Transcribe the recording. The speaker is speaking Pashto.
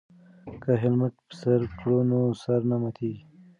که هیلمټ په سر کړو نو سر نه ماتیږي.